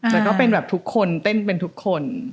แล้วก็เป็นแบบทุกคนเต้นเป็นทุกคน